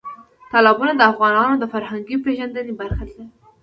تالابونه د افغانانو د فرهنګي پیژندنې برخه ده.